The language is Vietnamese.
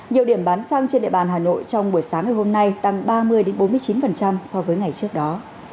nhiều điểm bán xăng trên địa bàn hà nội trong buổi sáng ngày hôm nay tăng ba mươi bốn mươi chín so với ngày trước đó